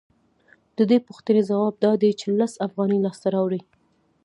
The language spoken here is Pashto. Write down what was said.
د دې پوښتنې ځواب دا دی چې لس افغانۍ لاسته راوړي